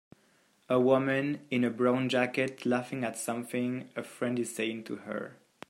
A woman in a brown jacket laughing at something a friend is saying to her.